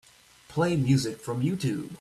Play music from Youtube.